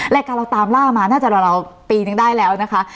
รายการเราตามล่ามาน่าจะราวปีนึงได้แล้วนะคะ